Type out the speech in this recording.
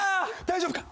大丈夫か？